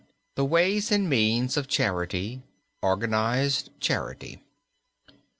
THE WAYS AND MEANS OF CHARITY ORGANIZED CHARITY.